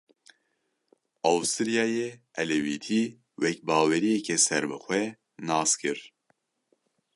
Awistiryayê Elewîtî wek baweriyeke serbixwe nas kir.